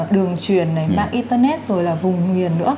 đường truyền mạng internet rồi là vùng miền nữa